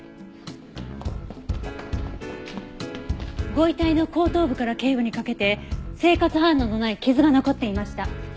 ご遺体の後頭部から頸部にかけて生活反応のない傷が残っていました。